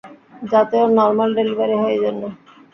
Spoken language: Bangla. যাতে ওর নরমাল ডেলিভারি হয়, এইজন্যে।